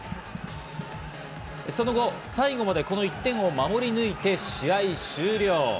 その後、最後までこの１点を守り抜いて試合終了。